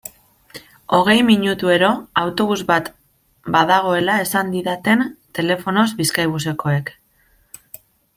Hogei minutuero autobus bat badagoela esan didaten telefonoz Bizkaibusekoek.